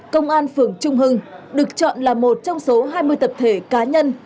công an phường trung hưng được chọn là một trong số hai mươi tập thể cá nhân